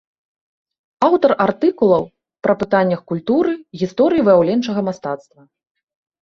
Аўтар артыкулаў пра пытаннях культуры, гісторыі выяўленчага мастацтва.